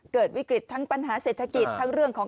เกิดวิกฤตทั้งปัญหาเศรษฐกิจทั้งเรื่องของ